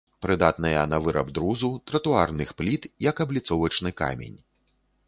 Прыдатныя на выраб друзу, тратуарных пліт, як абліцовачны камень.